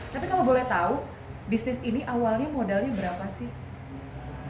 tapi kalau boleh tahu bisnis ini awalnya modalnya berapa sih